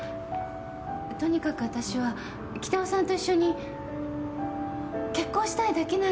とにかくわたしは北尾さんと一緒に結婚したいだけなんです。